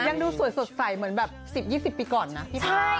ดูสวยสดใสเหมือนแบบ๑๐๒๐ปีก่อนนะพี่พาย